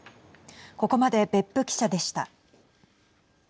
ここまで別府記者でした。